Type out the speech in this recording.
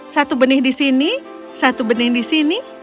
satu benih di sini satu bening di sini